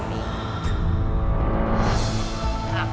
ติดอยู่ประมาณ๙ปี